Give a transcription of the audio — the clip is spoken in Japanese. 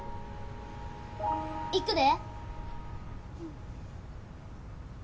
行くで。